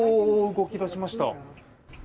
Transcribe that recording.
動き出しました。